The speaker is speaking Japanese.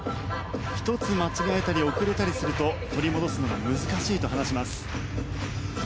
１つ間違えたり遅れたりすると取り戻すのが難しいと話します。